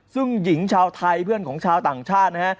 ซึ่งหญิงชาวไทยเพื่อนของชาวต่างชาตินะฮะ